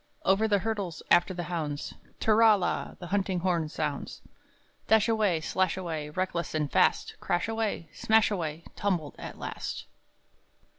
Over the hurdles after the hounds, tirra la! the hunting horn sounds Dashaway, slashaway, reckless and fast! Crashaway, smashaway, tumbled at last!